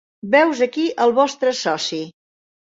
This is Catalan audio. Veu's aquí el vostre soci.